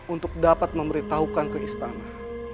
untuk dapat memberitahukan ke istana